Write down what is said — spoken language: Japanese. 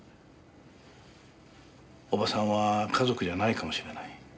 叔母さんは家族じゃないかもしれない。